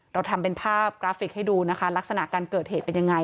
เราทำเป็นภาพกราฟิกให้ดูนะคะลักษณะการเกิดเหตุเป็นยังไง